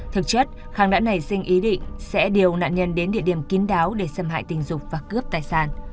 thực chất khang đã nảy sinh ý định sẽ điều nạn nhân đến địa điểm kín đáo để xâm hại tình dục và cướp tài sản